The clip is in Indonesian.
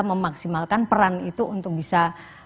memaksimalkan peran itu untuk bisa